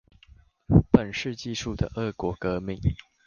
本世紀初的俄國革命